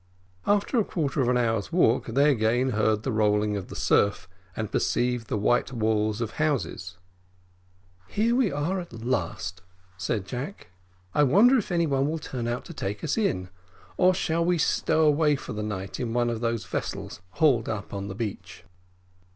After a quarter of an hour's walk, they again heard the rolling of the surf, and perceived the white walls of houses. "Here we are at last," said Jack. "I wonder if any one will turn out to take us in, or shall we stow away for the night in one of those vessels hauled up on the beach?"